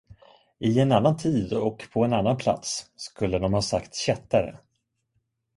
I en annan tid och på en annan plats skulle de ha sagt kättare.